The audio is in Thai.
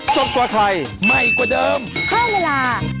สวัสดีค่ะ